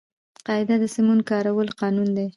قاعده د سمو کارولو قانون دئ.